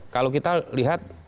kalau kita lihat